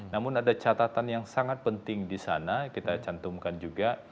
namun ada catatan yang sangat penting di sana kita cantumkan juga